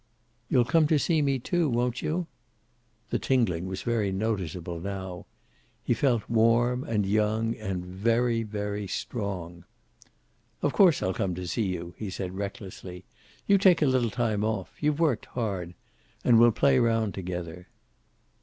"You'll come to see me, too. Won't you?" The tingling was very noticeable now. He felt warm, and young, and very, very strong. "Of course I'll come to see you," he said, recklessly. "You take a little time off you've worked hard and we'll play round together."